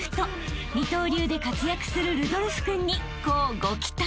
［二刀流で活躍するルドルフ君に乞うご期待！］